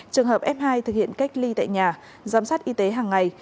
trường hợp f hai thực hiện cách ly tại nhà giám sát y tế hàng ngày